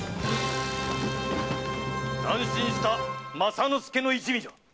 乱心した政之助の一味じゃ。